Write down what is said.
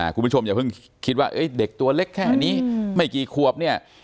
คุณผู้ชมอย่าเพิ่งคิดว่าเด็กตัวเล็กแค่นี้ไม่กี่ขวบเนี่ย